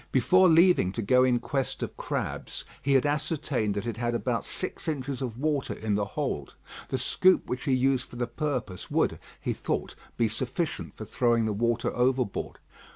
Before leaving to go in quest of crabs, he had ascertained that it had about six inches of water in the hold. The scoop which he used for the purpose would, he thought, be sufficient for throwing the water overboard.